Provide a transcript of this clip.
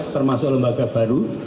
termasuk lembaga baru